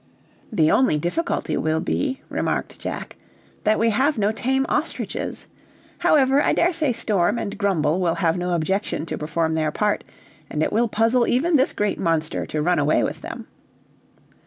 "The only difficulty will be," remarked Jack, "that we have no tame ostriches. However, I daresay Storm and Grumble will have no objection to perform their part, and it will puzzle even this great monster to run away with them."